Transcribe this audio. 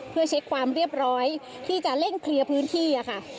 เพื่อเช็คความเรียบร้อยที่จะเร่งเคลียร์พื้นที่ค่ะ